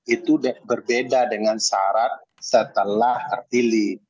itu berbeda dengan syarat setelah terpilih